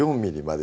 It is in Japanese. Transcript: で